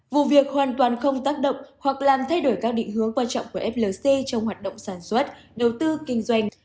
vụ việc hoàn toàn không tác động hoặc làm thay đổi các định hướng quan trọng của flc trong hoạt động sản xuất đầu tư kinh doanh